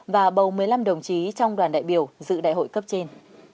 và bầu một mươi năm đồng chí trong đoàn đại biểu dự đại hội cấp trên